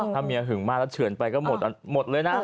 ถ้าเมียหึงมากแล้วเฉื่อนไปก็หมดเลยนะ